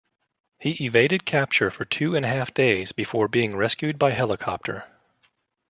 He evaded capture for two and a half days before being rescued by helicopter.